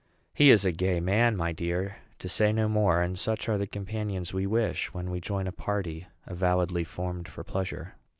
"He is a gay man, my dear, to say no more; and such are the companions we wish when we join a party avowedly formed for pleasure."